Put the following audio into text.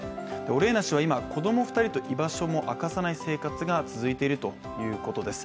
オレーナ氏は今、子ども２人と居場所も明かさない生活が続いているということです。